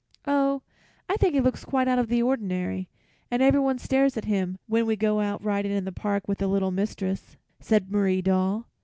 "Oh, I think he looks quite out of the ordinary, and everyone stares at him when we go out riding in the park with the little mistress," said Marie Doll.